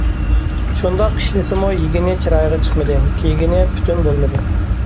شۇنداق ئىشلىسىمۇ يېگىنى چىرايىغا چىقمىدى، كىيگىنى پۈتۈن بولمىدى.